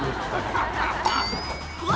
「うわ！」